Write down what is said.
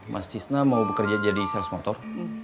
mas cisna mau bekerja jadi sales motor